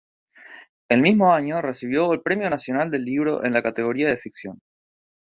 El mismo año recibió el Premio Nacional del Libro en la categoría de ficción.